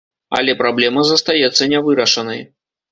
Але праблема застаецца нявырашанай.